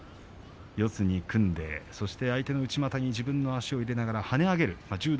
四つに組んで相手の内股に自分の足を入れながら跳ね上げる